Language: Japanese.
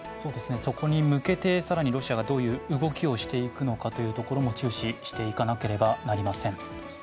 そこに向けて更にロシアがどういう動きをしていくのかも注視していかなければなりません。